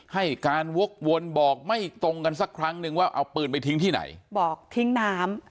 ให้การวกวนบอกไม่ตรงกันสักครั้งนึงว่าเอาปืนไปทิ้งที่ไหนบอกทิ้งน้ำ